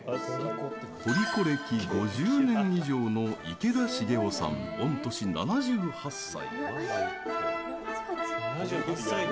掘り子歴５０年以上の池田重男さん、御年７８歳。